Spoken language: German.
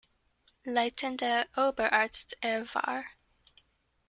Leitender Oberarzt er war.